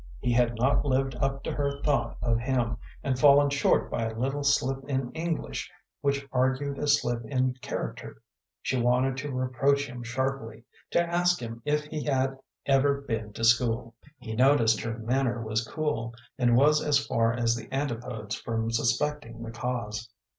He had not lived up to her thought of him, and fallen short by a little slip in English which argued a slip in character. She wanted to reproach him sharply to ask him if he had ever been to school. He noticed her manner was cool, and was as far as the antipodes from suspecting the cause.